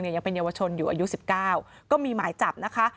ยังเป็นเยาวชนอยู่อายุ๑๙ก็มีหมายจับนะคะ